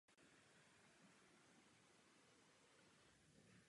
O pět let později začal studovat na teologické fakultě Athénské univerzity.